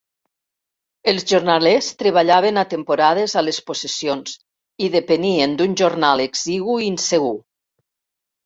Els jornalers treballaven a temporades a les possessions i depenien d'un jornal exigu i insegur.